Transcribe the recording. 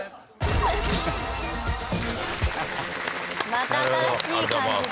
また新しい感じで。